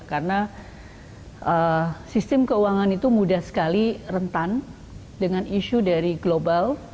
karena sistem keuangan itu mudah sekali rentan dengan isu dari global